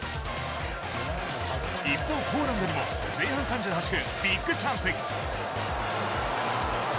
一方、ポーランドにも前半３８分ビッグチャンス。